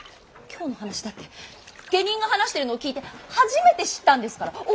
今日の話だって下人が話してるのを聞いて初めて知ったんですから。